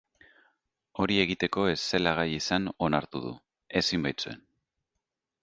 Hori egiteko ez zela gai izan onartu du, ezin baitzuen.